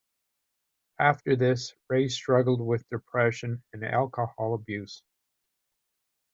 After this, Ray struggled with depression and alcohol abuse.